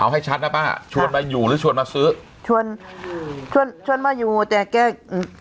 เอาให้ชัดนะป้าชวนมาอยู่หรือชวนมาซื้อชวนชวนชวนมาอยู่แต่แก